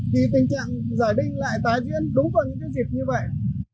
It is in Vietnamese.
thì tình trạng giải đinh lại tái diễn đúng vào những dịp như vậy